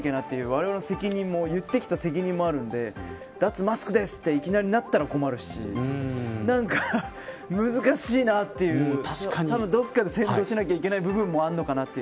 われわれが言ってきた責任もあるので脱マスクですっていきなりなっても困りますし何か難しいなってどこかで先導しなけばいけない部分もあるのかなって。